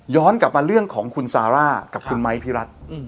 กลับมาเรื่องของคุณซาร่ากับคุณไม้พิรัต